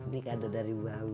nih kado dari ibu aku